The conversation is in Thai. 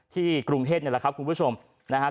กรุงเทพนี่แหละครับคุณผู้ชมนะครับ